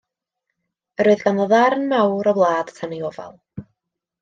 Yr oedd ganddo ddarn mawr o wlad tan ei ofal.